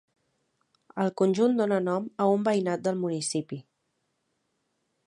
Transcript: El conjunt dóna nom a un veïnat del municipi.